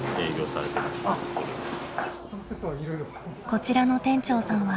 こちらの店長さんは。